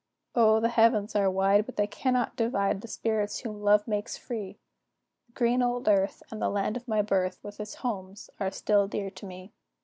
O, the heavens are wide, but they cannot divide The spirits whom love makes free! The green old earth, and the land of my birth, With its homes, are still dear to me.